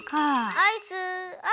アイス？